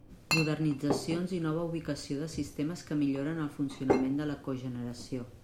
Modernitzacions i nova ubicació de sistemes que milloren el funcionament de la cogeneració.